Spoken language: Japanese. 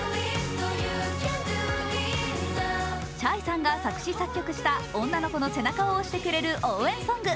ｃｈａｙさんが作詞作曲した女の子の背中を押してくれる応援ソング。